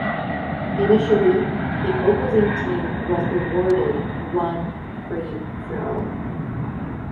Initially, the opposing team was awarded one free throw.